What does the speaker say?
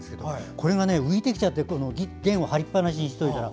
ここが浮いてきちゃって弦を張りっぱなしにしておいたら。